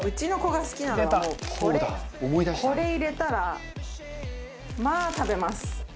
これ入れたらまあ食べます。